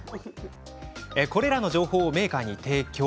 これらの情報をメーカーに提供。